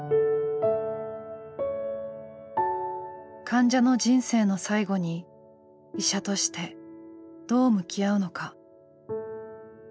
患者の人生の最期に医者としてどう向き合うのか。